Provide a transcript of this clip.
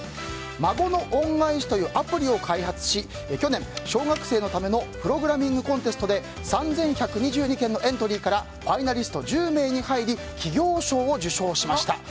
「孫の恩返し」というアプリを開発し去年、小学生のためのプログラミングコンテストで３１２２件のエントリーからファイナリスト１０名に入り企業賞を受賞しました。